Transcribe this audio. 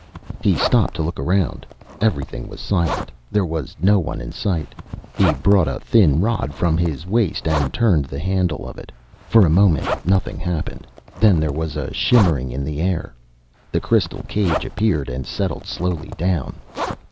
He stopped to look around. Everything was silent. There was no one in sight. He brought a thin rod from his waist and turned the handle of it. For a moment nothing happened. Then there was a shimmering in the air. The crystal cage appeared and settled slowly down.